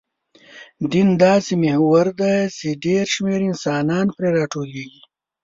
دین داسې محور دی، چې ډېر شمېر انسانان پرې راټولېږي.